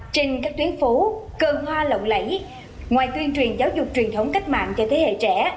trên các tuyến phố cơn hoa lộng lẫy ngoài tuyên truyền giáo dục truyền thống cách mạng cho thế hệ trẻ